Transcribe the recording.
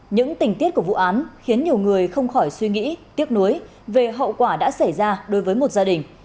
những tình tiết của vụ án khiến nhiều người không khỏi suy nghĩ tiếc nuối về hậu quả đã xảy ra đối với một gia đình